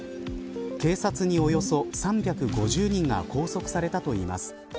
警察に、およそ３５０人が拘束されたといいます。